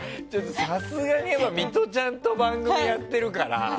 さすがにミトちゃんと番組やってるから。